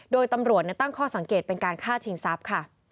โดยตำรวจตั้งข้อสังเกตเป็นการฆ่าชิงทรัพย์ค่ะ